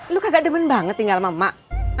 lu kagak demen banget tinggal sama emak